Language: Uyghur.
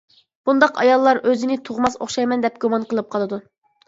بۇنداق ئاياللار ئۆزىنى «تۇغماس ئوخشايمەن» دەپ گۇمان قىلىپ قالىدۇ.